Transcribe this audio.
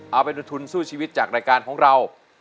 เอาเป็นทุนสู้ชีวิตจากรายการของเรา